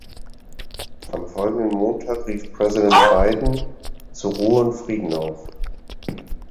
Am folgenden Montag rief Präsident Biden zu Ruhe und Frieden auf.